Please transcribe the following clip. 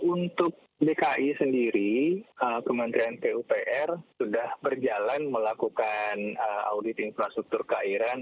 untuk dki sendiri kementerian pupr sudah berjalan melakukan audit infrastruktur keairan